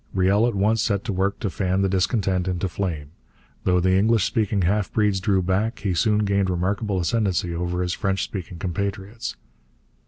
Riel at once set to work to fan the discontent into flame. Though the English speaking half breeds drew back, he soon gained remarkable ascendancy over his French speaking compatriots.